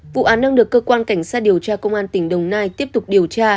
vụ án đang được cơ quan cảnh sát điều tra công an tỉnh đồng nai tiếp tục điều tra